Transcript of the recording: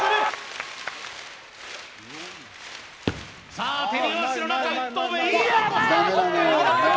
さぁ手拍子の中、１投。